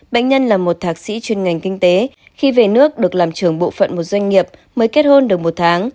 bệnh nhân là một thạc sĩ chuyên ngành kinh tế khi về nước được làm trưởng bộ phận một doanh nghiệp mới kết hôn được một tháng